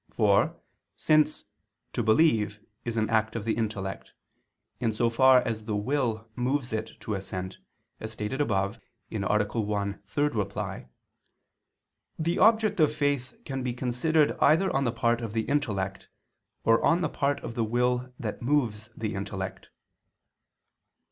For, since "to believe" is an act of the intellect, in so far as the will moves it to assent, as stated above (A. 1, ad 3), the object of faith can be considered either on the part of the intellect, or on the part of the will that moves the intellect.